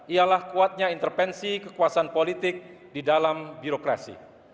ialah kuatnya intervensi kekuasaan politik di dalam birokrasi